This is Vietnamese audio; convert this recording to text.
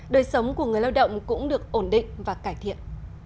đời sống của người lao động cũng được ổn định và cải thiện